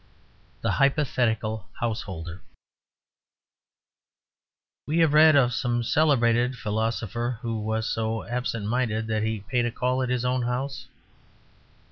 THE HYPOTHETICAL HOUSEHOLDER We have read of some celebrated philosopher who was so absent minded that he paid a call at his own house.